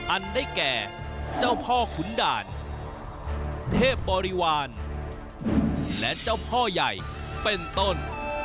อันได้แก่เจ้าพ่อขุนด่านเทพบริวารและเจ้าพ่อใหญ่เป็นต้น